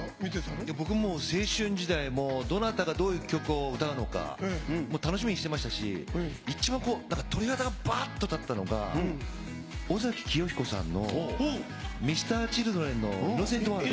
僕、もう青春時代、もうどなたがどういう曲を歌うのか、楽しみにしてましたし、一番なんか鳥肌がばっと立ったのが、尾崎紀世彦さんのＭｒ．Ｃｈｉｌｄｒｅｎのｉｎｎｏｃｅｎｔｗｏｒｌｄ。